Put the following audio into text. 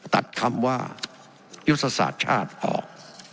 ตัดคำว่ายุทธศาสตร์ชาติออก